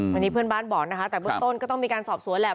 อันนี้เพื่อนบ้านบอกนะคะแต่เบื้องต้นก็ต้องมีการสอบสวนแหละ